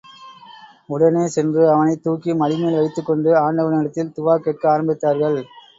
உடனே சென்று அவனைத் தூக்கி மடிமேல் வைத்துக் கொண்டு, ஆண்டவனிடத்தில் துவா கேட்க ஆரம்பித்தார்கள்.